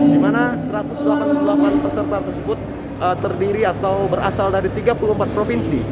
di mana satu ratus delapan puluh delapan peserta tersebut terdiri atau berasal dari tiga puluh empat provinsi